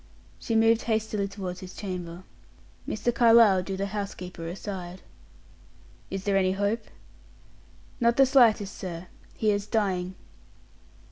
She moved hastily toward his chamber. Mr. Carlyle drew the housekeeper aside. "Is there any hope?" "Not the slightest, sir. He is dying."